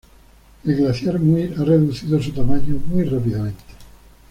El glaciar Muir ha reducido su tamaño muy rápidamente.